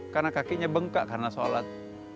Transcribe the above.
karena kakinya bengkak karena sholat